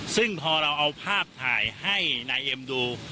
ซึ่งพอเราเอาภาพถ่ายให้นายเอ็มดู